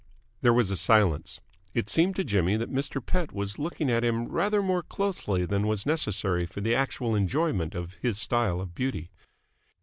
There was a silence. It seemed to Jimmy that Mr. Pett was looking at him rather more closely than was necessary for the actual enjoyment of his style of beauty.